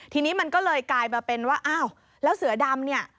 ทีนี้มันก็เลยกลายมาเป็นว่าอ้าวแล้วเสือดำเนี่ย